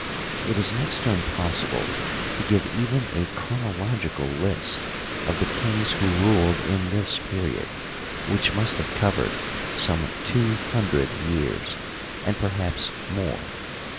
It is next to impossible to give even a chronological list of the kings who ruled in this period, which must have covered some two hundred years, and perhaps more.